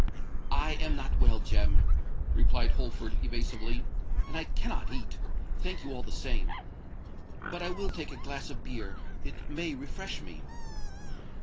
"I am not well, Jem," replied Holford, evasively; "and I cannot eat—thank you all the same. But I will take a glass of beer: it may refresh me."